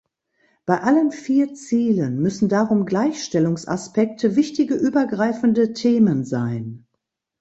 Bei allen vier Zielen müssen darum Gleichstellungsaspekte wichtige übergreifende Themen sein.